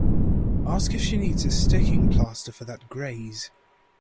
Ask if she needs a sticking plaster for that graze.